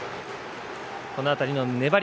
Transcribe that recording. この辺りの粘り